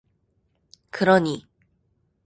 그러니.